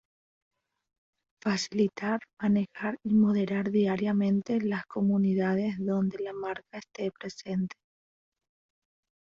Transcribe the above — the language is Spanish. Facilitar, manejar y moderar diariamente las comunidades donde la marca este presente.